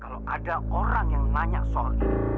kalau ada orang yang nanya soal itu